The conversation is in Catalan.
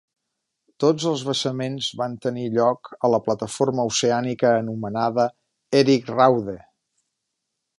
Tots els vessaments van tenir lloc a la plataforma oceànica anomenada Erik Raude.